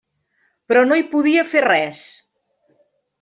Però no hi podia fer res.